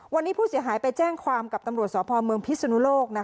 วันนี้ผู้เสียหายไปแจ้งความกับตำรวจสพเมืองพิศนุโลก